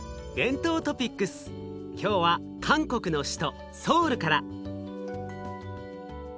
今日は韓国の首都ソウルから。